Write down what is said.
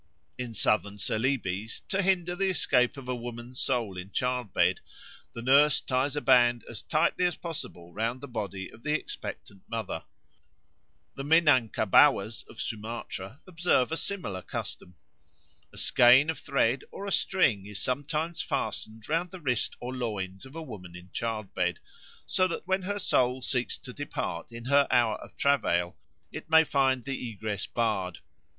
In Southern Celebes, to hinder the escape of a woman's soul in childbed, the nurse ties a band as tightly as possible round the body of the expectant mother. The Minangkabauers of Sumatra observe a similar custom; a skein of thread or a string is sometimes fastened round the wrist or loins of a woman in childbed, so that when her soul seeks to depart in her hour of travail it may find the egress barred.